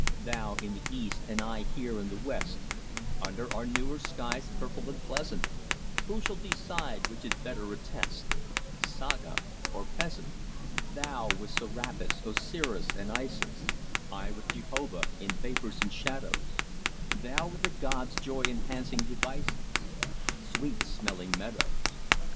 Thou in the East and I here in the West, Under our newer skies purple and pleasant: Who shall decide which is better attest, Saga or peasant? Thou with Serapis, Osiris, and Isis, I with Jehovah, in vapours and shadows; Thou with the gods' joy enhancing devices, Sweet smelling meadows!